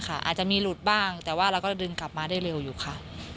อาจจะมีหลุดบ้างแต่ว่าเราก็ดึงกลับมาได้เร็วอยู่ค่ะ